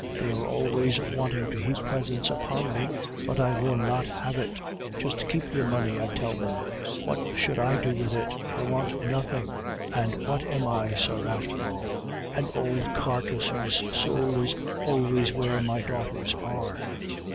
They are always wanting to heap presents upon me, but I will not have it. 'Just keep your money,' I tell them. 'What should I do with it? I want nothing.' And what am I, sir, after all? An old carcase, whose soul is always where my daughters are.